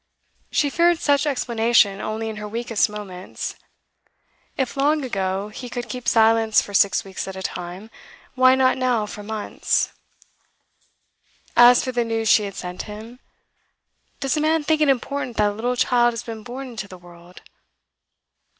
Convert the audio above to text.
She feared such explanation only in her weakest moments. If, long ago, he could keep silence for six weeks at a time, why not now for months? As for the news she had sent him does a man think it important that a little child has been born into the world?